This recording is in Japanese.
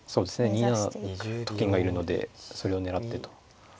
２七にと金がいるのでそれを狙ってと。